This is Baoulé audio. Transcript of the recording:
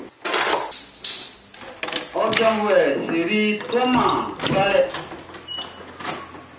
Ɔ janvuɛ Sery tuaman kalɛ.